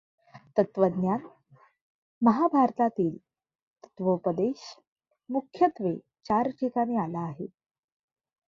तत्त्वज्ञान महाभारतातील तत्त्वोपदेश मुख्यत्वे चार ठिकाणी आला आहे.